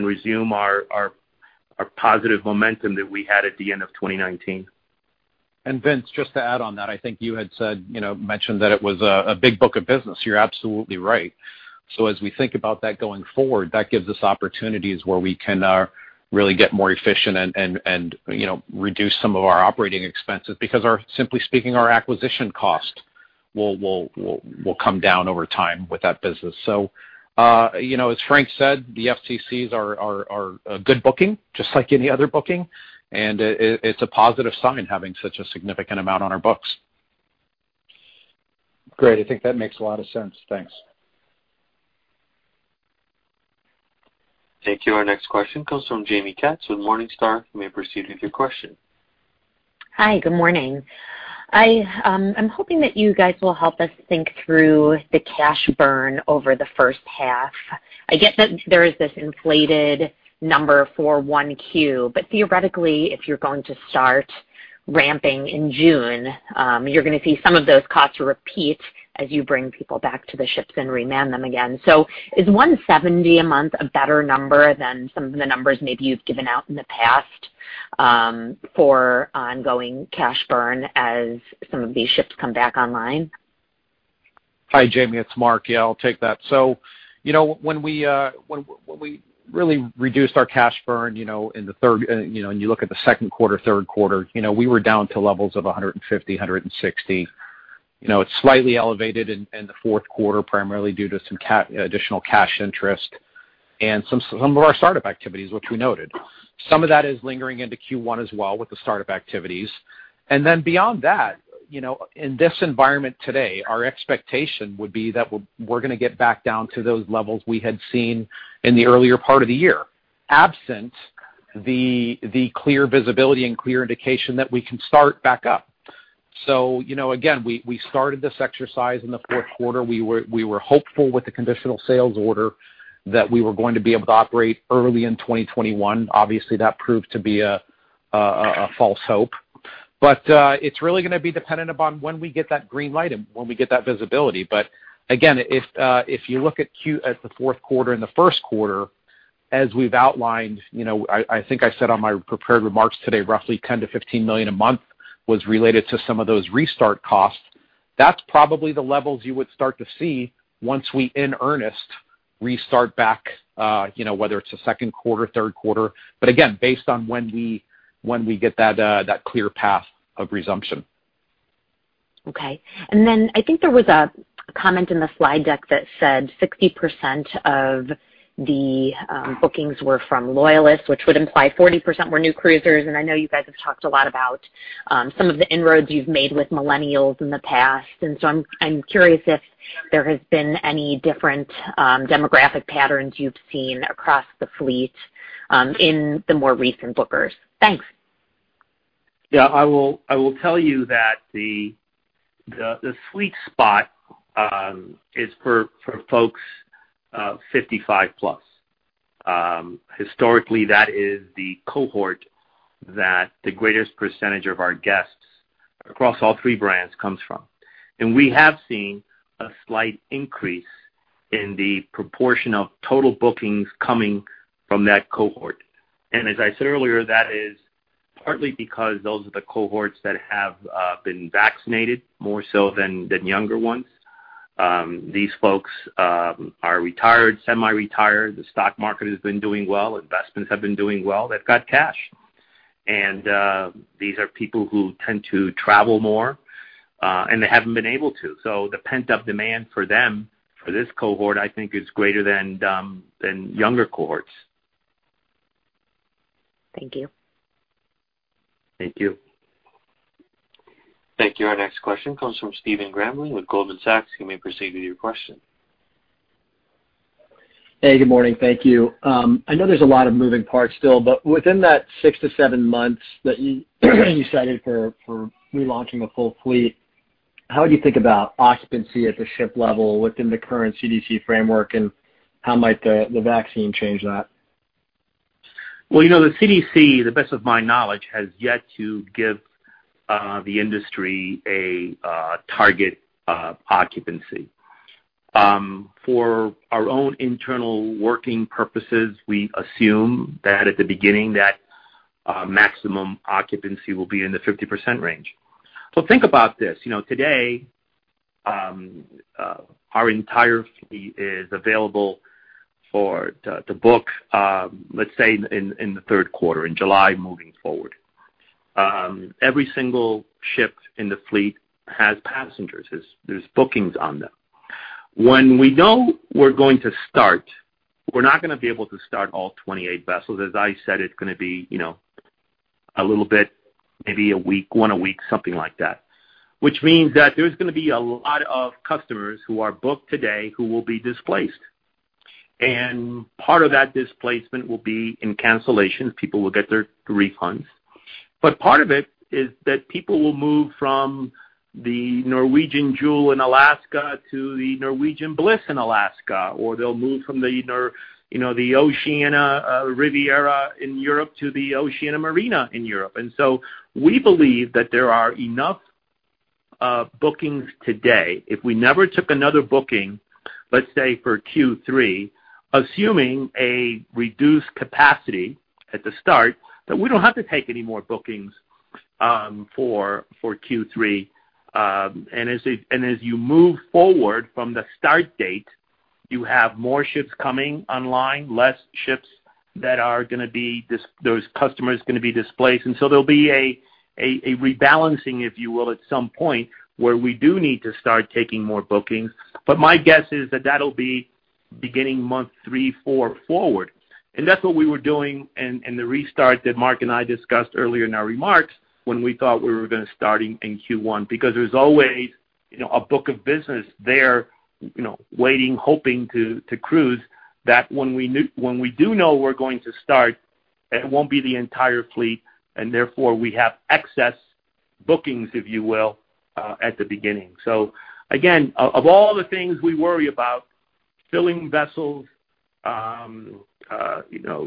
resume our positive momentum that we had at the end of 2019. Vince, just to add on that, I think you had mentioned that it was a big book of business. You are absolutely right. As we think about that going forward, that gives us opportunities where we can really get more efficient and reduce some of our operating expenses because simply speaking, our acquisition cost will come down over time with that business. As Frank said, the FCCs are a good booking, just like any other booking and it is a positive sign having such a significant amount on our books. Great. I think that makes a lot of sense. Thanks. Thank you. Our next question comes from Jaime Katz with Morningstar. You may proceed with your question. Hi, good morning. I'm hoping that you guys will help us think through the cash burn over the first half. I get that there is this inflated number for 1Q, theoretically, if you're going to start ramping in June, you're going to see some of those costs repeat as you bring people back to the ships and re-man them again. Is $170 a month a better number than some of the numbers maybe you've given out in the past, for ongoing cash burn as some of these ships come back online? Hi, Jaime, it's Mark. Yeah, I'll take that. When we really reduced our cash burn, and you know you look at the second quarter, third quarter, we were down to levels of $150, $160. It's slightly elevated in the fourth quarter primarily due to some additional cash interest and some of our startup activities, which we noted. Some of that is lingering into Q1 as well with the startup activities. Beyond that, in this environment today, our expectation would be that we're going to get back down to those levels we had seen in the earlier part of the year, absent the clear visibility and clear indication that we can start back up. Again, we started this exercise in the fourth quarter. We were hopeful with the Conditional Sailing Order that we were going to be able to operate early in 2021. Obviously, that proved to be a false hope. It's really going to be dependent upon when we get that green light and when we get that visibility. Again, if you look at the fourth quarter and the first quarter, as we've outlined, I think I said on my prepared remarks today, roughly $10 million to $15 million a month was related to some of those restart costs. That's probably the levels you would start to see once we in earnest restart back, whether it's the second quarter, third quarter. Again, based on when we get that clear path of resumption. Okay. I think there was a comment in the slide deck that said 60% of the bookings were from loyalists, which would imply 40% were new cruisers. I know you guys have talked a lot about some of the inroads you've made with millennials in the past. I'm curious if there has been any different demographic patterns you've seen across the fleet in the more recent bookers. Thanks. Yeah, I will tell you that the sweet spot is for folks 55 plus. Historically, that is the cohort that the greatest percentage of our guests across all three brands comes from. We have seen a slight increase in the proportion of total bookings coming from that cohort. As I said earlier, that is partly because those are the cohorts that have been vaccinated more so than younger ones. These folks are retired, semi-retired. The stock market has been doing well. Investments have been doing well they've got cash. These are people who tend to travel more and they haven't been able to. The pent-up demand for them, for this cohort, I think, is greater than younger cohorts. Thank you. Thank you. Thank you. Our next question comes from Stephen Grambling with Goldman Sachs. You may proceed with your question. Good morning. Thank you. I know there's a lot of moving parts still, within that six to seven months that you cited for relaunching a full fleet, how would you think about occupancy at the ship level within the current CDC framework and how might the vaccine change that? Well, the CDC, to the best of my knowledge has yet to give the industry a target occupancy. For our own internal working purposes, we assume that at the beginning that maximum occupancy will be in the 50% range. Think about this. Today, our entire fleet is available for the book, let's say, in the third quarter, in July moving forward. Every single ship in the fleet has passengers. There's bookings on them. When we know we're going to start, we're not going to be able to start all 28 vessels. As I said, it's going to be a little bit, maybe a week, one a week, something like that. Means that there's going to be a lot of customers who are booked today who will be displaced. Part of that displacement will be in cancellations. People will get their refunds. Part of it is that people will move from the Norwegian Jewel in Alaska to the Norwegian Bliss in Alaska, or they'll move from the Oceania Riviera in Europe to the Oceania Marina in Europe. We believe that there are enough bookings today, if we never took another booking, let's say, for Q3, assuming a reduced capacity at the start, that we don't have to take any more bookings for Q3. As you move forward from the start date, you have more ships coming online, less ships that those customers are going to be displaced. There'll be a rebalancing, if you will, at some point, where we do need to start taking more bookings. My guess is that that'll be. Beginning month three, four forward. That's what we were doing in the restart that Mark and I discussed earlier in our remarks when we thought we were going to start in Q1, because there's always a book of business there waiting, hoping to cruise, that when we do know we're going to start, it won't be the entire fleet, and therefore, we have excess bookings, if you will, at the beginning. Again, of all the things we worry about, filling vessels,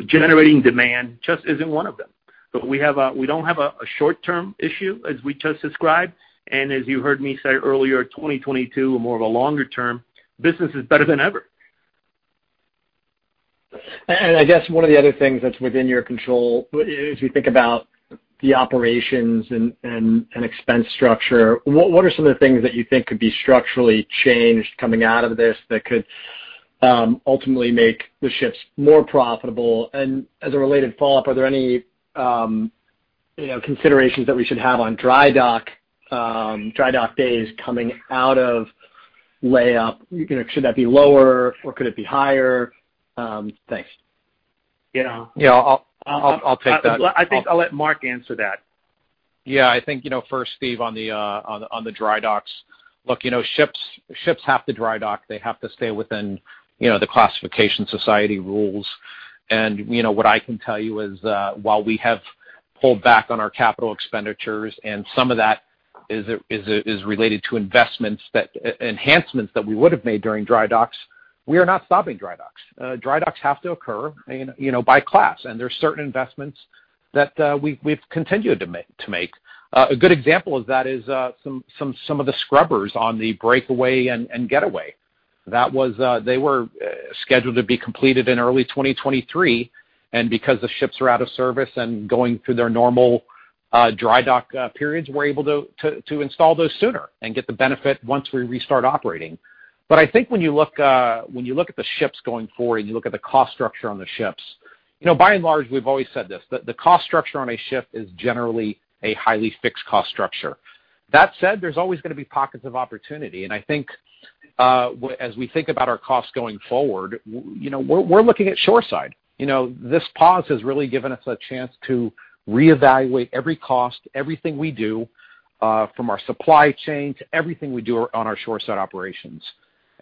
generating demand just isn't one of them. We don't have a short-term issue, as we just described, and as you heard me say earlier, 2022, more of a longer term, business is better than ever. I guess one of the other things that's within your control, as we think about the operations and expense structure, what are some of the things that you think could be structurally changed coming out of this that could ultimately make the ships more profitable? As a related follow-up, are there any considerations that we should have on dry dock days coming out of layup? Should that be lower or could it be higher? Thanks. Yeah. Yeah. I'll take that. I think I'll let Mark answer that. Yeah. I think first, Steve, on the dry docks. Look, ships have to dry dock. They have to stay within the classification society rules. What I can tell you is while we have pulled back on our capital expenditures, and some of that is related to enhancements that we would've made during dry docks, we are not stopping dry docks. Dry docks have to occur by class, and there's certain investments that we've continued to make. A good example of that is some of the scrubbers on the Breakaway and Getaway. They were scheduled to be completed in early 2023, and because the ships are out of service and going through their normal dry dock periods, we're able to install those sooner and get the benefit once we restart operating. I think when you look at the ships going forward, you look at the cost structure on the ships, by and large, we've always said this, that the cost structure on a ship is generally a highly fixed cost structure. That said, there's always going to be pockets of opportunity, and I think as we think about our costs going forward, we're looking at shoreside. This pause has really given us a chance to reevaluate every cost, everything we do, from our supply chain to everything we do on our shoreside operations.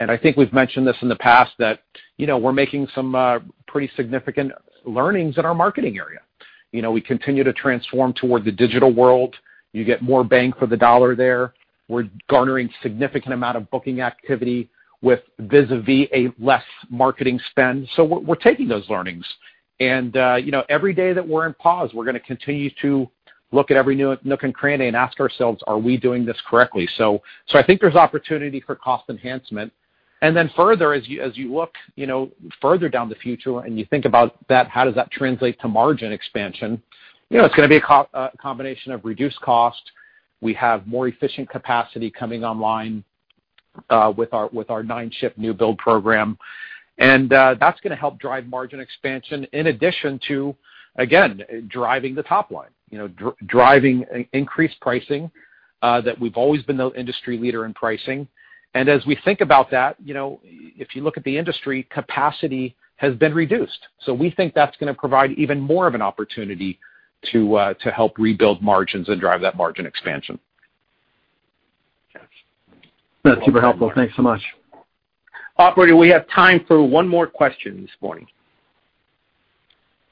I think we've mentioned this in the past that we're making some pretty significant learnings in our marketing area. We continue to transform toward the digital world. You get more bang for the dollar there. We're garnering significant amount of booking activity with vis-a-vi a less marketing spend. We're taking those learnings. Every day that we're in pause, we're going to continue to look at every nook and cranny and ask ourselves, are we doing this correctly? I think there's opportunity for cost enhancement. Further, as you look further down the future and you think about that, how does that translate to margin expansion? It's going to be a combination of reduced cost. We have more efficient capacity coming online with our nine-ship new build program. That's going to help drive margin expansion in addition to, again, driving the top line, driving increased pricing, that we've always been the industry leader in pricing. As we think about that, if you look at the industry, capacity has been reduced. We think that's going to provide even more of an opportunity to help rebuild margins and drive that margin expansion. That's super helpful. Thanks so much. Operator, we have time for one more question this morning.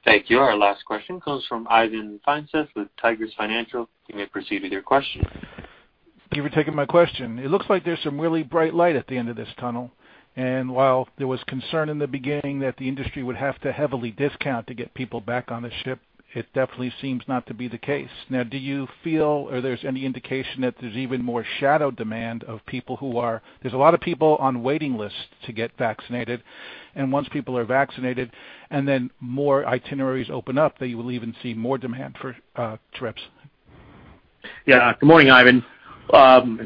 Thank you. Our last question comes from Ivan Feinseth with Tigress Financial. You may proceed with your question. Thank you for taking my question. It looks like there's some really bright light at the end of this tunnel, and while there was concern in the beginning that the industry would have to heavily discount to get people back on the ship, it definitely seems not to be the case. Now, do you feel or there's any indication that there's even more shadow demand of people? There's a lot of people on waiting lists to get vaccinated, and once people are vaccinated and then more itineraries open up, that you will even see more demand for trips? Yeah. Good morning, Ivan.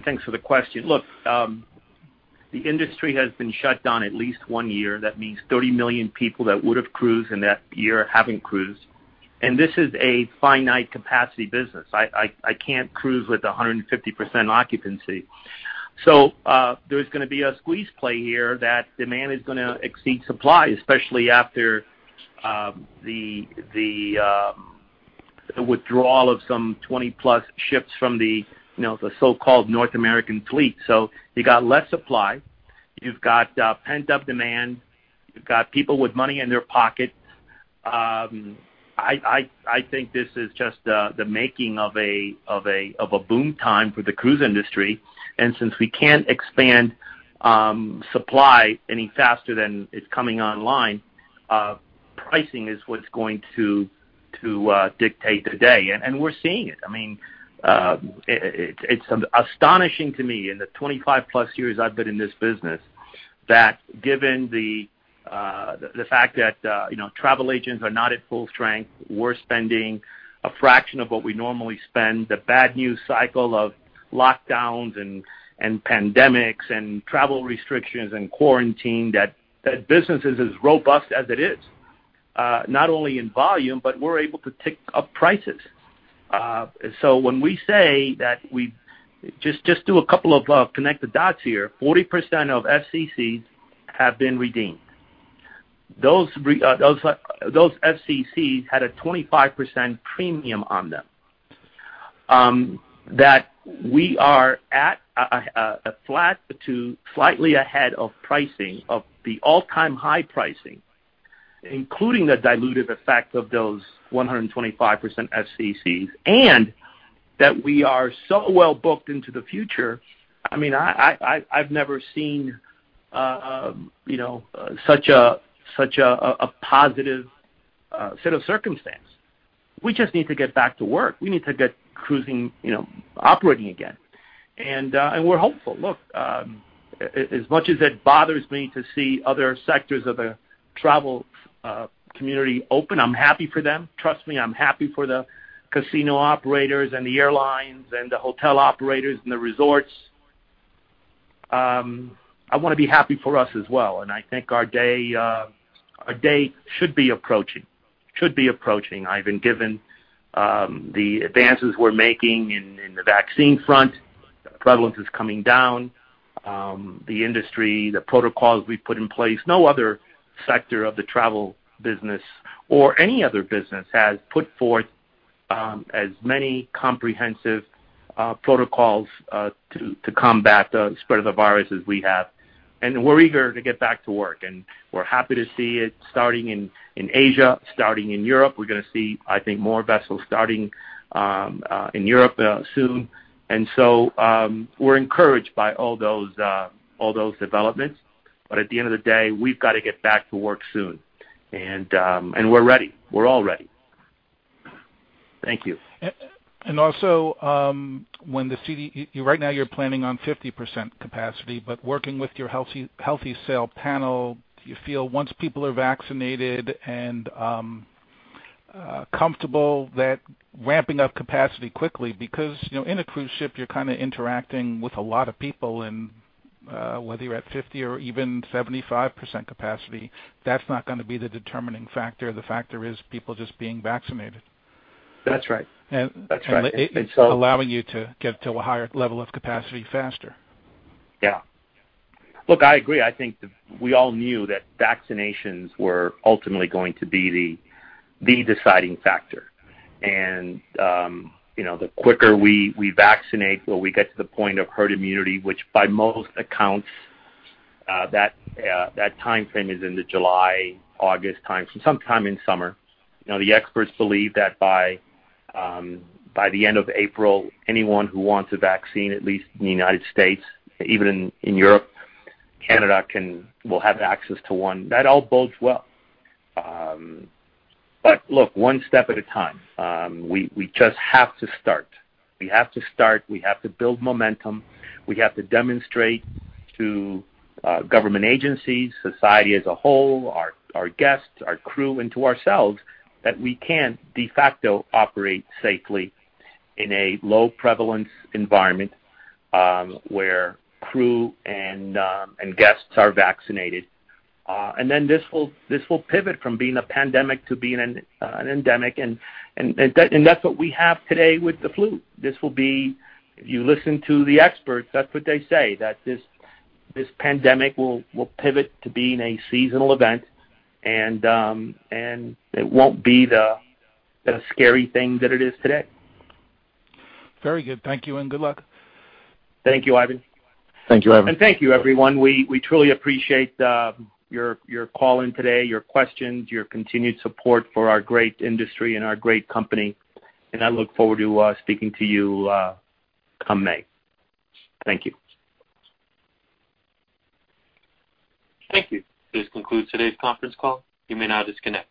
Thanks for the question. Look, the industry has been shut down at least one year. That means 30 million people that would have cruised in that year haven't cruised. This is a finite capacity business. I can't cruise with 150% occupancy. There's going to be a squeeze play here that demand is going to exceed supply, especially after the withdrawal of some 20-plus ships from the so-called North American fleet. You got less supply. You've got pent-up demand. You've got people with money in their pocket. I think this is just the making of a boom time for the cruise industry. Since we can't expand supply any faster than is coming online, pricing is what's going to dictate the day, and we're seeing it. It's astonishing to me in the 25-plus years I've been in this business that given the fact that travel agents are not at full strength, we're spending a fraction of what we normally spend, the bad news cycle of lockdowns and pandemics and travel restrictions and quarantine, that business is as robust as it is, not only in volume, but we're able to tick up prices. Just do a couple of connect the dots here. 40% of FCCs have been redeemed. Those FCCs had a 25% premium on them, that we are at a flat to slightly ahead of pricing, of the all-time high pricing, including the diluted effect of those 125% FCCs, and that we are so well booked into the future. I've never seen such a positive set of circumstance. We just need to get back to work. We need to get cruising, operating again, and we're hopeful. Look, as much as it bothers me to see other sectors of the travel community open, I'm happy for them. Trust me, I'm happy for the casino operators and the airlines and the hotel operators and the resorts. I want to be happy for us as well, and I think our day should be approaching. I've been given the advances we're making in the vaccine front. Prevalence is coming down. The industry, the protocols we've put in place, no other sector of the travel business or any other business has put forth as many comprehensive protocols to combat the spread of the virus as we have. We're eager to get back to work, and we're happy to see it starting in Asia, starting in Europe. We're going to see, I think, more vessels starting in Europe soon. We're encouraged by all those developments. At the end of the day, we've got to get back to work soon, and we're ready. We're all ready. Thank you. Also, right now you're planning on 50% capacity, but working with your Healthy Sail Panel, do you feel once people are vaccinated and comfortable, that ramping up capacity quickly, because in a cruise ship, you're interacting with a lot of people, and whether you're at 50% or even 75% capacity, that's not going to be the determining factor. The factor is people just being vaccinated. That's right. It's allowing you to get to a higher level of capacity faster. Yeah. Look, I agree. I think we all knew that vaccinations were ultimately going to be the deciding factor. The quicker we vaccinate or we get to the point of herd immunity, which by most accounts, that timeframe is in the July, August time, so sometime in summer. The experts believe that by the end of April, anyone who wants a vaccine, at least in the United States, even in Europe, Canada will have access to one. That all bodes well. Look, one step at a time. We just have to start. We have to start. We have to build momentum. We have to demonstrate to government agencies, society as a whole, our guests, our crew, and to ourselves that we can de facto operate safely in a low-prevalence environment, where crew and guests are vaccinated. This will pivot from being a pandemic to being an endemic, and that's what we have today with the flu. This will be, if you listen to the experts, that's what they say, that this pandemic will pivot to being a seasonal event, and it won't be the scary thing that it is today. Very good. Thank you and good luck. Thank you, Ivan. Thank you, Ivan. Thank you, everyone. We truly appreciate your call in today, your questions, your continued support for our great industry and our great company, and I look forward to speaking to you come May. Thank you. Thank you. This concludes today's conference call. You may now disconnect.